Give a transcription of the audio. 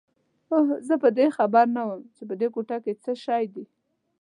اوه، زه تراوسه خبر نه وم چې په دې کوټه کې څه شی دي.